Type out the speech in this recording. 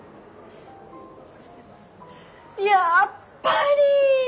やっぱり！